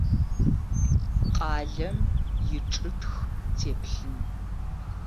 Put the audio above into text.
Къалэм ичӏытх теплъын.